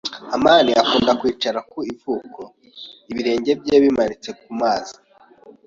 amani akunda kwicara ku kivuko ibirenge bye bimanitse mu mazi.